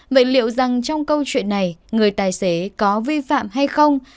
vậy liệu rằng trong câu chuyện này người tài xế có vi phạm hay không